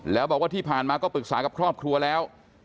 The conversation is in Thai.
แล้วบอกว่าที่ผ่านมาก็ปรึกษากับครอบครัวแล้ว